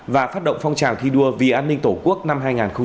và phát động phong trào thi đua vì an ninh tổ quốc năm hai nghìn hai mươi bốn